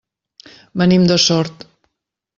Venim de Sort.